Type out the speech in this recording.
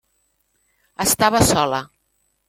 Estava sola.